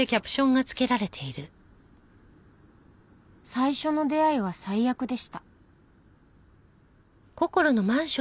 「最初の出会いは最悪でした」